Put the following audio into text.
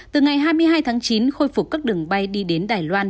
từ ngày hai mươi hai tháng chín khôi phục các đường bay đi đến đài loan